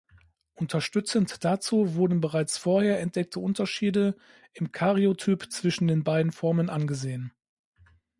Unterstützend dazu wurden bereits vorher entdeckte Unterschiede im Karyotyp zwischen den beiden Formen angesehen.